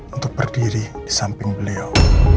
untuk berdiri di samping beliau